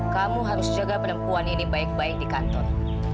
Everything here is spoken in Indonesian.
kamu harus jaga perempuan ini baik baik di kantor